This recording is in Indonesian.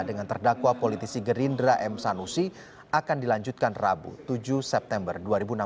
dengan terdakwa politisi gerindra m sanusi akan dilanjutkan rabu tujuh september dua ribu enam belas